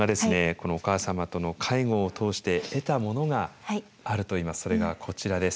このお母様との介護を通して得たものがあるといいます。